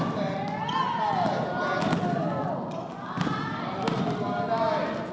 สุดท้ายสุดท้ายสุดท้าย